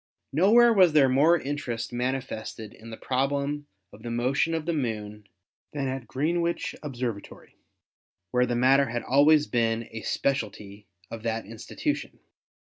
Nowhere was there more interest manifested in the problem of the motion of the Moon than at Greenwich Observatory, where the matter had always been a spe cialty of that institution.